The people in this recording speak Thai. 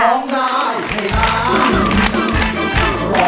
ร้องได้ให้ร้อง